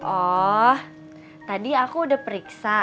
oh tadi aku udah periksa